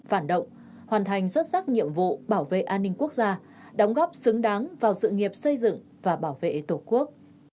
phản động hoàn thành xuất sắc nhiệm vụ bảo vệ an ninh quốc gia đóng góp xứng đáng vào sự nghiệp xây dựng và bảo vệ tổ quốc